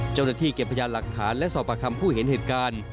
เจ้าหน้าที่เก็บพยานหลักฐานและสอบประคำผู้เห็นเหตุการณ์